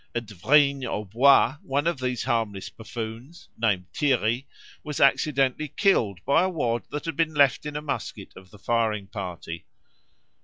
At Vrigne aux Bois one of these harmless buffoons, named Thierry, was accidentally killed by a wad that had been left in a musket of the firing party.